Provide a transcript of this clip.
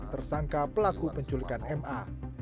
tersangka pelaku penculikan ma